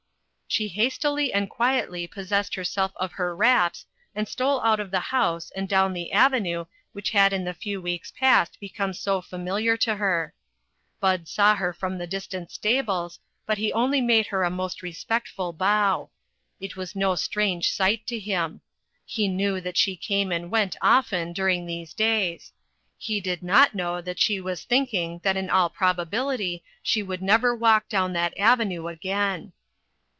She hastily and quietly possessed herself of her wraps, and stole out of the house and down the avenue which had in the few weeks past become so familiar to her. Bud saw her from the distant stables, but he only made her a most respectful bow. It was no strange sight to him. He knew that she came and went often during these days; he did not know she was thinking that in all probability she would never walk down that avenue again.